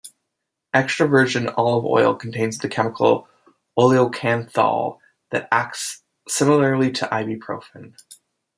Extra-virgin olive oil contains the chemical oleocanthal that acts similarly to ibuprofen.